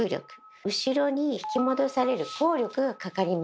後ろに引き戻される「抗力」がかかります。